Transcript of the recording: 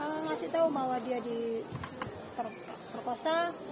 nggak ngasih tau bahwa dia diperkosa